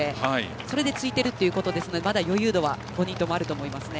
それでついているということでまだ余裕度は５人ともあると思います。